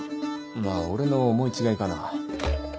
まあ俺の思い違いかな。